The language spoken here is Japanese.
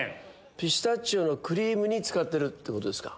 ピスタチオのクリームに使ってるってことですか？